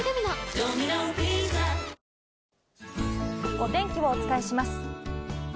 お天気をお伝えします。